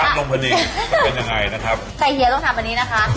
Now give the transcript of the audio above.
อันนี้กี่กีบครับพี่